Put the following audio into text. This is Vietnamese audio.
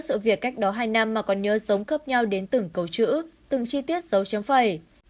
từ việc cách đó hai năm mà còn nhớ sống khớp nhau đến từng câu chữ từng chi tiết dấu chấm phẩy